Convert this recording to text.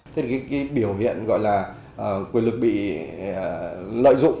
thế thì cái biểu hiện gọi là quyền lực bị lợi dụng